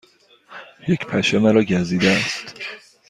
یک پشه مرا گزیده است.